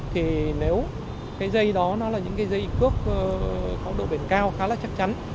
thì nếu cái dây đó nó là những cái dây cước có độ biển cao khá là chắc chắn